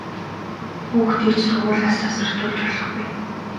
Хүүхдийг ч сургуулиас завсардуулж болохгүй!